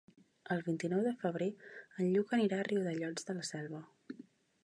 El vint-i-nou de febrer en Lluc anirà a Riudellots de la Selva.